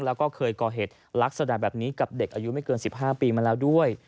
แล้วก็เคยก่อเหตุลักษณะแบบนี้กับเด็กอายุไม่เกิน๑๕ปีมาแล้วด้วย